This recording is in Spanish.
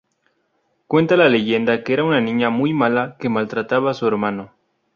Cuenta la leyenda que era una niña muy mala que maltrataba a su hermano.